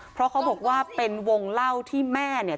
เพราะเขาบอกว่าเป็นวงเล่าที่แม่เนี่ย